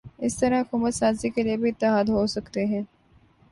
اسی طرح حکومت سازی کے لیے بھی اتحاد ہو سکتے ہیں۔